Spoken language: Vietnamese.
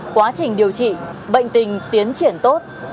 quá trình điều trị bệnh tình tiến triển tốt